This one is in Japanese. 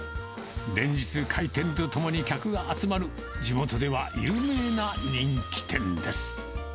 連日、開店とともに客が集まる地元では有名な人気店です。